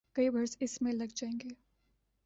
کئی برس اس میں لگ جائیں گے۔